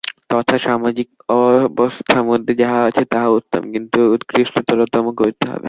তথা সামাজিক অবস্থামধ্যে যাহা আছে, তাহা উত্তম, কিন্তু উৎকৃষ্ট-তর-তম করিতে হইবে।